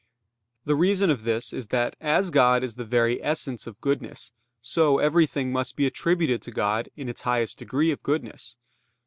The reason of this is that as God is the very essence of goodness, so everything must be attributed to God in its highest degree of goodness.